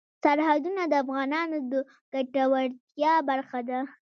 سرحدونه د افغانانو د ګټورتیا برخه ده.